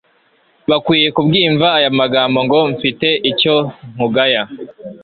Bakwiye kubwimva aya amagambo; ngo : "Mfite icyo nkugaya,